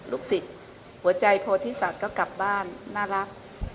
ลูกศิษย์หัวใจโพธิสัตว์ก็กลับบ้านน่ารัก